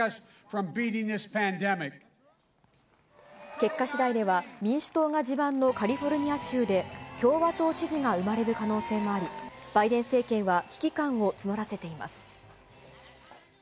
結果しだいでは、民主党が地盤のカリフォルニア州で共和党知事が生まれる可能性もあり、バイデン政権は危機感を募らせています。